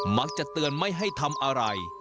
มักจะเตือนไม่ให้ทำอะไร